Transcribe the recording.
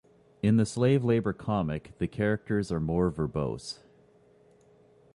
In the Slave Labor comic, the characters are more verbose.